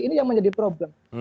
ini yang menjadi problem